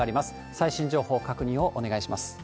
最新情報確認をお願いします。